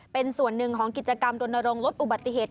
เป็นส่วนหนึ่งของกิจกรรมรณรงค์ลดอุบัติเหตุ